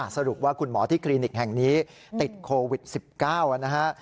สรุปว่าคุณหมอที่คลินิกแห่งนี้ติดโควิด๑๙นะฮะ